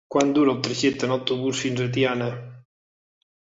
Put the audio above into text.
Quant dura el trajecte en autobús fins a Tiana?